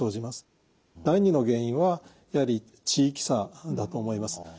第２の原因はやはり地域差だと思います。